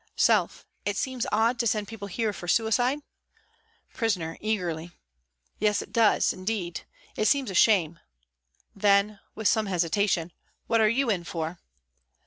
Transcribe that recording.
Self : "It seems odd to send people here for suicide ?" Prisoner (eagerly) :" Yes, it does indeed. It seems a shame." Then, with some hesitation, " What are you in for?"